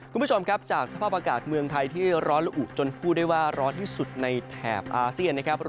คุณผู้ชมครับจากสภาพอากาศเมืองไทยที่ร้อนและอุจนพูดได้ว่าร้อนที่สุดในแถบอาเซียนนะครับ